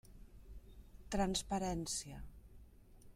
Transparència.